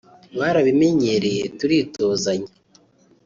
Barabinyemereye turitozanya